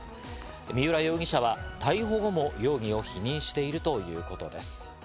三浦容疑者は逮捕後も容疑を否認しているということです。